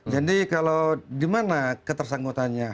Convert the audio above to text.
jadi kalau di mana ketersangkutannya